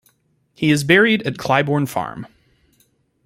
He is buried at Claiborne Farm.